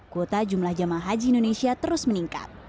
kuota jumlah jamaah haji indonesia terus meningkat